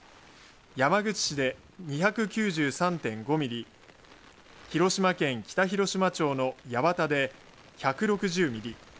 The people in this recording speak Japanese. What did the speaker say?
山口市で２９３．５ミリ広島県北広島町の八幡で１６０ミリ